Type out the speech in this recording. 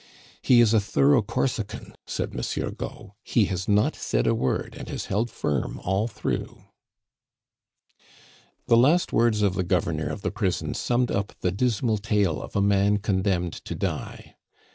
"He is a thorough Corsican," said Monsieur Gault; "he has not said a word, and has held firm all through." The last words of the governor of the prison summed up the dismal tale of a man condemned to die.